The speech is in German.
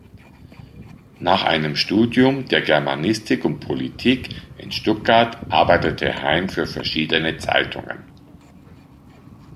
Nach einem Studium der Germanistik und Politik in Stuttgart arbeitete Heim für verschiedene Zeitungen.